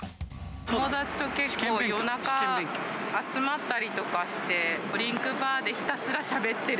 友達と結構、夜中集まったりとかして、ドリンクバーでひたすらしゃべってる。